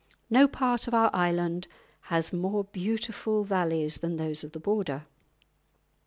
No part of our island has more beautiful valleys than those of the Border.